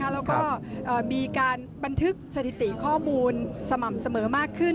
แล้วก็มีการบันทึกสถิติข้อมูลสม่ำเสมอมากขึ้น